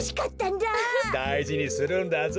だいじにするんだぞ。